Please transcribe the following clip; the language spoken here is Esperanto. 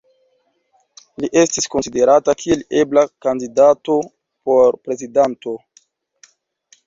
Li estis konsiderata kiel ebla kandidato por prezidanto.